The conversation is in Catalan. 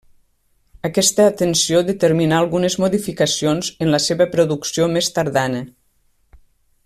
Aquesta atenció determinà algunes modificacions en la seva producció més tardana.